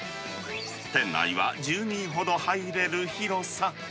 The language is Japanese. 店内は１０人ほど入れる広さ。